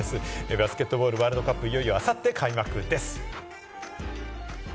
バスケットボールワールドカップはいよいよあさって開幕です。